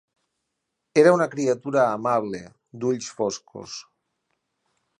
Era una criatura amable, d'ulls foscos